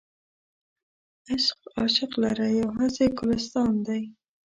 عشق عاشق لره یو هسې ګلستان دی.